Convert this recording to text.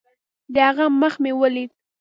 د هغه مخ مې وليد.